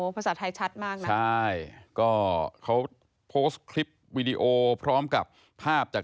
พลัสต่อทหาร์ไทยชัดมากนะใช่ก็เค้าีวีดีโอพร้อมกับภาพจาก